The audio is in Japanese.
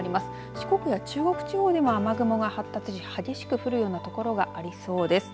四国や中国地方でも雨雲が発達し激しく降るようなところがありそうです。